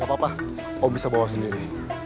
gak apa apa om bisa bawa sendiri